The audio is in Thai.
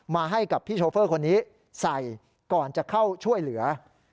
ให้กับพี่โชเฟอร์คนนี้ใส่ก่อนจะเข้าช่วยเหลือ